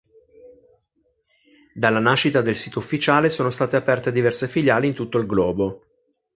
Dalla nascita del sito ufficiale sono state aperte diverse filiali in tutto il globo.